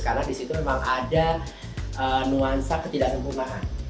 karena di situ memang ada nuansa ketidaksempurnaan